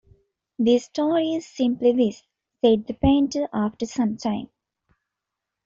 "The story is simply this," said the painter after some time.